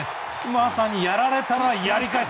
まさに、やられたらやり返す。